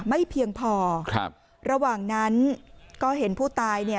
ไม่เพียงพอครับระหว่างนั้นก็เห็นผู้ตายเนี่ย